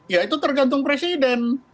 ya itu tergantung presiden